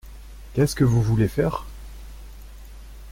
Qu’est-ce que vous voulez faire ?